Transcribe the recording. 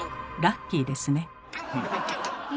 ラッキーですね。